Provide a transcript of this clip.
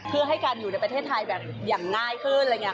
เพื่อให้การอยู่ในประเทศไทยแบบอย่างง่ายขึ้นอะไรอย่างนี้